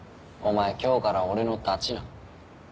前今日から俺のダチな。